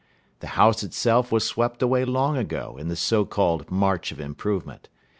The house itself was swept away long ago in the so called march of improvement.